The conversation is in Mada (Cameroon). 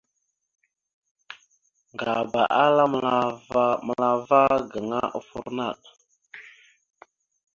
Ŋgaba ala məla ava gaŋa offor naɗ.